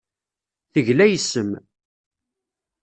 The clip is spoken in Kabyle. Tegla yes-m.